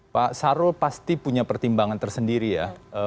pak sarul pasti punya pertimbangan tersendiri ya